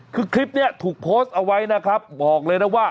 คือคลิปนี้ถูกโพสต์เอาไว้นะครับบอกเลยนะว่า